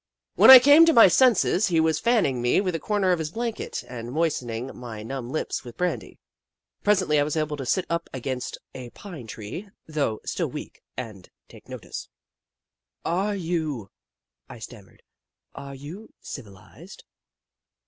When I came to my senses, he was fanning me with a corner of his blanket, and moisten ing my numb lips with brandy. Presently I was able to sit up against a pine tree, though still weak, and take notice. "Are you —?" I stammered. "Are you civilised